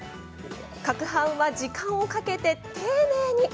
かくはんは時間をかけて丁寧に。